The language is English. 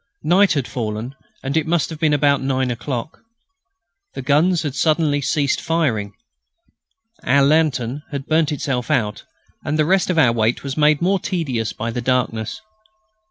Night had fallen, and it must have been about nine o'clock. The guns had suddenly ceased firing. Our lantern had burnt itself out, and the rest of our wait was made more tedious by darkness.